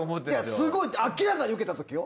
すごい明らかにウケたときよ。